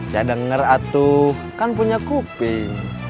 ya denger atuh kan punya kuping